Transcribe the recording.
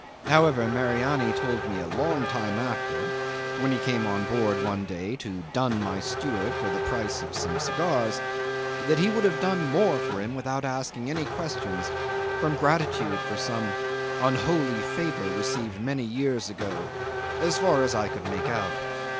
However, Mariani told me a long time after (when he came on board one day to dun my steward for the price of some cigars) that he would have done more for him without asking any questions, from gratitude for some unholy favour received very many years ago as far as I could make out.